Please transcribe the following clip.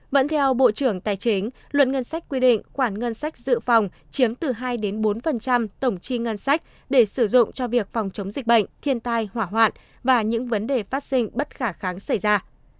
vẫn theo bộ trưởng tài chính luận ngân sách quy định khoản ngân sách dự phòng chiếm từ hai bốn tổng chi ngân sách để sử dụng cho việc phòng chống dịch bệnh thiên tai hỏa hoạn và những vấn đề phát sinh bất khả kháng xảy ra